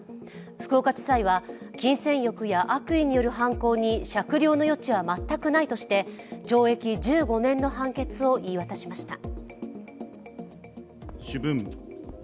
福岡地裁は金銭欲や悪意による犯行に酌量の余地は全くないとして懲役１５年の判決を言い渡しました。